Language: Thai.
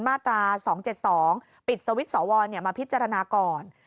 มาตรา๒๗๒ปิดสวิตช์สวมาพิจารณาก่อน